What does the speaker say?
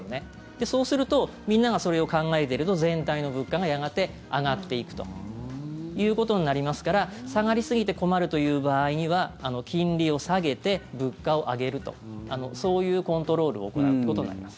そうするとみんながそれを考えていると全体の物価がやがて上がっていくということになりますから下がりすぎて困るという場合には金利を下げて物価を上げるとそういうコントロールを行うということになります。